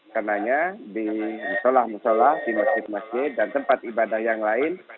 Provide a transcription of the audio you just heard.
karenanya di musola musola di masjid masjid dan tempat ibadah yang lain